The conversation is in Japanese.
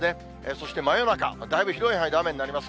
そして、真夜中、だいぶ広い範囲で雨になります。